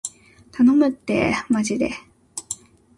頼むってーまじで